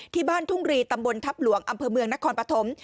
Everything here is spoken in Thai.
ที่บ้านทุ่งรีตำบลทัพหลวงอำเภอเมืองนครปฐม